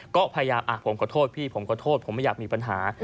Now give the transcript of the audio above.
ก็พยายามผมขอโทษพี่ผมขอโทษผมไม่อยากมีปัญหา